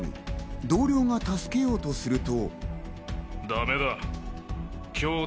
同僚が助けようとすると。